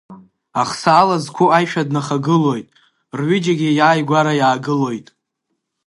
Ахсаала зқәу аишәа днахагылоит, рҩыџьагьы иааигәара иаагылоит.